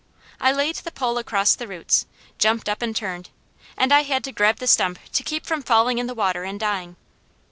I laid the pole across the roots, jumped up and turned, and I had to grab the stump to keep from falling in the water and dying.